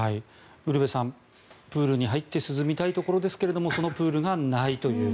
ウルヴェさんプールに入って涼みたいところですがそのプールがないという。